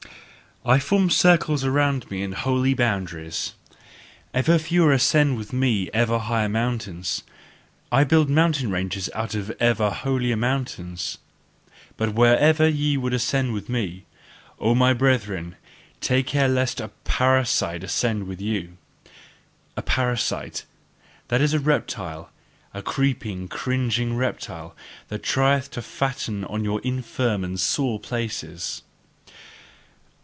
I form circles around me and holy boundaries; ever fewer ascend with me ever higher mountains: I build a mountain range out of ever holier mountains. But wherever ye would ascend with me, O my brethren, take care lest a PARASITE ascend with you! A parasite: that is a reptile, a creeping, cringing reptile, that trieth to fatten on your infirm and sore places.